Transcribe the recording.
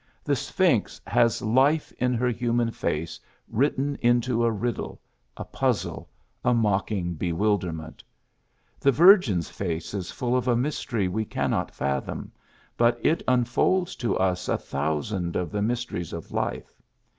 ^^The Sphinx has life in her human face written into a riddle, a puzzle, a mocking bewilderment. The Virgin's face is full of a mystery we cannot fathom, but it unfolds to us a thousand of the mysteries of life.